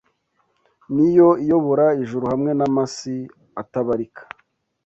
Ni Yo iyobora ijuru hamwe n’amasi atabarika